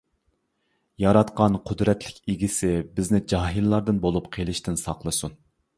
ياراتقان قۇدرەت ئىگىسى بىزنى جاھىللاردىن بولۇپ قېلىشتىن ساقلىسۇن.